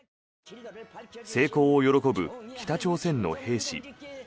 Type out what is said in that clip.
成功を喜ぶ北朝鮮の兵士。